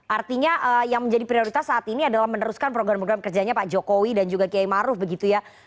artinya yang menjadi prioritas saat ini adalah meneruskan program program kerjanya pak jokowi dan juga kiai maruf begitu ya